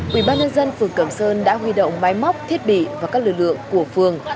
quỹ ban nhân dân phường cẩm sơn đã huy động máy móc thiết bị và các lực lượng của phường